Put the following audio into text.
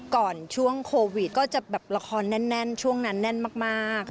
ก่อนช่วงโควิดก็จะแบบละครแน่นช่วงนั้นแน่นมาก